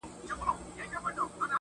اوس مي هم ښه په ياد دي زوړ نه يمه~